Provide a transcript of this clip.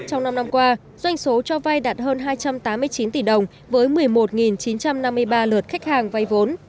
trong năm năm qua doanh số cho vay đạt hơn hai trăm tám mươi chín tỷ đồng với một mươi một chín trăm năm mươi ba lượt khách hàng vay vốn